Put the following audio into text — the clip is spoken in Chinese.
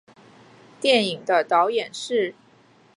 电影的导演是。